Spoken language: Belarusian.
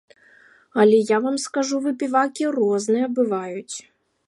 Але я вам скажу, выпівакі розныя бываюць.